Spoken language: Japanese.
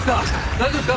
大丈夫ですか！？